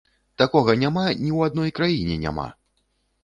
Такога няма ні ў адной краіне няма.